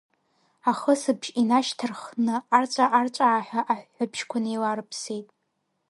Ахысыбжь инашьҭарххны арҵәаа-арҵәааҳәа аҳәҳәабжьқәа неиларыԥсеит.